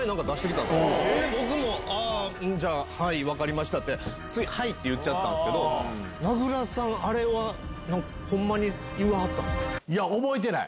ほんで、僕もああ、じゃあ分かりましたって、つい、はいって言っちゃったんですけど、名倉さん、あれは、ほんまにいわいや、覚えてない。